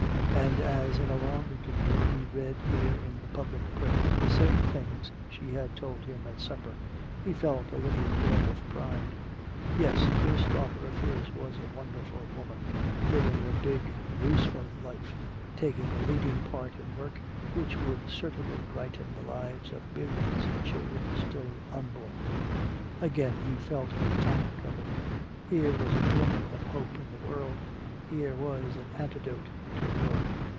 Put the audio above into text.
And as in a long interview he read here in the public print the same things she had told him at supper, he felt a little glow of pride. Yes, this daughter of his was a wonderful woman, living a big useful life, taking a leading part in work which would certainly brighten the lives of millions of children still unborn. Again he felt the tonic of it. Here was a glimmer of hope in the world, here was an antidote to war.